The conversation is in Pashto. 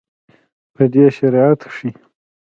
پۀ دې شعر کښې